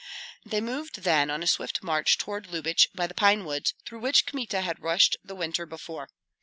They moved then on a swift march toward Lyubich by the pine woods through which Kmita had rushed the winter before.